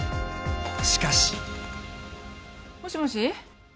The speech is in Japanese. ［しかし］もしもし。